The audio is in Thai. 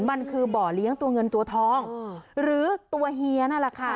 มันคือบ่อเลี้ยงตัวเงินตัวทองหรือตัวเฮียนั่นแหละค่ะ